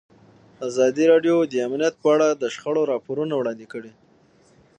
ازادي راډیو د امنیت په اړه د شخړو راپورونه وړاندې کړي.